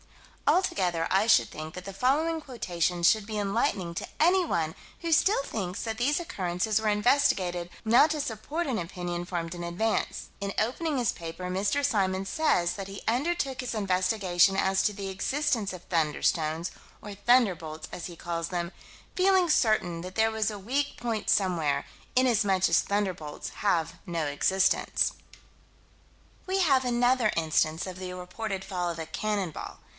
Altogether I should think that the following quotation should be enlightening to anyone who still thinks that these occurrences were investigated not to support an opinion formed in advance: In opening his paper, Mr. Symons says that he undertook his investigation as to the existence of "thunderstones," or "thunderbolts" as he calls them "feeling certain that there was a weak point somewhere, inasmuch as 'thunderbolts' have no existence." We have another instance of the reported fall of a "cannon ball."